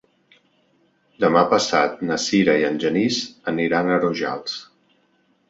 Demà passat na Sira i en Genís aniran a Rojals.